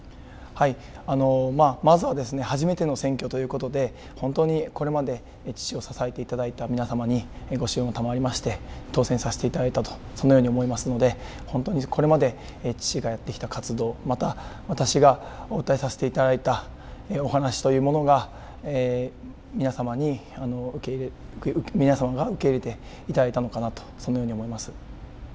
まずは初めての選挙ということで本当にこれまで父を支えていただいた皆様にご支援賜りまして当選させていただいたそのように思いますのでこれまで父がやってきた活動、また私が訴えさせていただいたお話というもの、皆様が受け入れていただいたのかなとそのように思います。